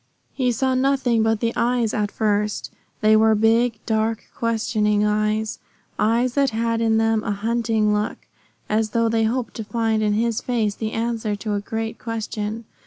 He saw nothing but the eyes at first. They were big, dark, questing eyes eyes that had in them a hunting look, as though they hoped to find in his face the answer to a great question.